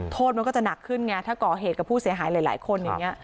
โทษมันก็จะหนักขึ้นไงถ้าก่อเหตุกับผู้เสียหายหลายคนอย่างนี้